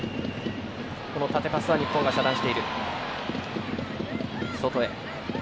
この縦パスは日本が遮断している。